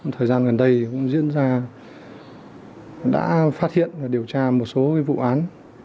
thời gian gần đây cũng diễn ra đã phát hiện và điều tra một số vụ án